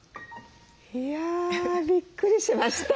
いやびっくりしました。